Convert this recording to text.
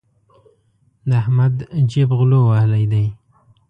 د احمد جېب غلو وهلی دی.